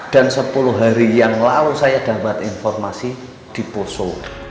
dan sepuluh hari yang lalu saya dapat informasi diposo